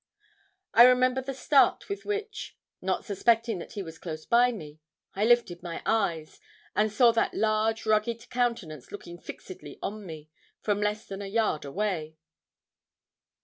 I remember the start with which, not suspecting that he was close by me, I lifted my eyes, and saw that large, rugged countenance looking fixedly on me, from less than a yard away.